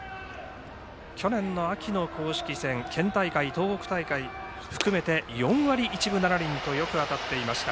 去年の秋の公式戦県大会と東北大会含めて４割１分７厘とよく当たっていました。